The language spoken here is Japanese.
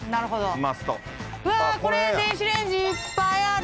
電子レンジいっぱいある。